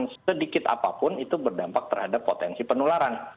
dan sedikit apapun itu berdampak terhadap potensi penularan